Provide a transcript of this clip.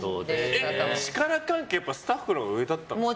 力関係、スタッフのほうが上だったんですか？